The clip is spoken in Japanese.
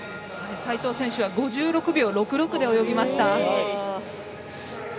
齋藤選手は５５秒６６で泳ぎました。